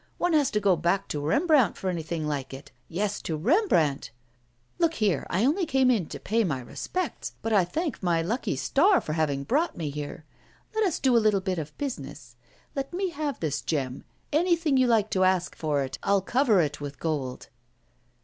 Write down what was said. One has to go back to Rembrandt for anything like it; yes, to Rembrandt! Look here, I only came in to pay my respects, but I thank my lucky star for having brought me here. Let us do a little bit of business. Let me have this gem. Anything you like to ask for it I'll cover it with gold.